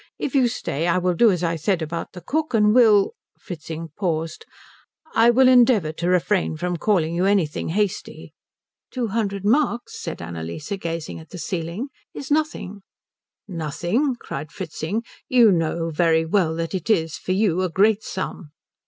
If you stay, I will do as I said about the cook and will " Fritzing paused "I will endeavour to refrain from calling you anything hasty." "Two hundred marks," said Annalise gazing at the ceiling, "is nothing." "Nothing?" cried Fritzing. "You know very well that it is, for you, a great sum."